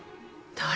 誰？